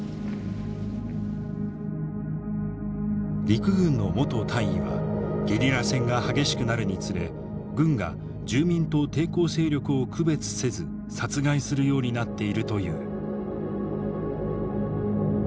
陸軍の元大尉はゲリラ戦が激しくなるにつれ軍が住民と抵抗勢力を区別せず殺害するようになっているという。